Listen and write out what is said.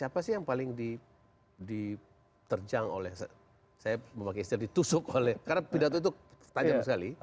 siapa sih yang paling diterjang oleh saya memakai istri ditusuk oleh karena pidato itu tajam sekali